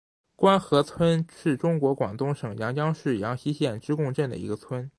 官河村是中国广东省阳江市阳西县织贡镇的一个村。